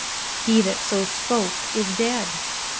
_" He that so spoke is dead.